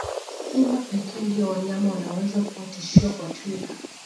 Simba pekee ndio wanyama wanaoweza kuwa tishio kwa twiga